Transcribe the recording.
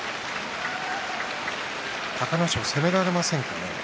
隆の勝は攻められませんか？